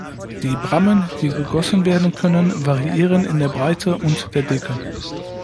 Die Brammen, die gegossen werden können, variieren in der Breite und der Dicke.